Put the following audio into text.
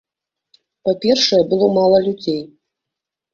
Па-першае, было мала людзей.